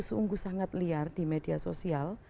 sungguh sangat liar di media sosial